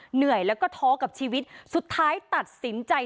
เหนื่อยแล้วก็ท้อกับชีวิตสุดท้ายตัดสินใจ